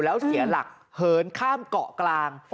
แล้วเสียหลักเหินข้ามเกาะกลาง